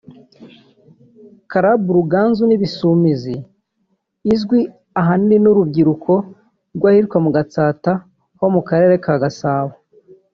Club Ruganzu n’Ibisumizi igizwe ahanini n’urubyiruko rw’ahitwa mu Gatsata ho mu Karere ka Gasabo